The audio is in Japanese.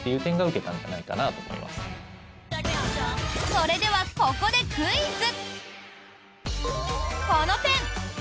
それでは、ここでクイズ！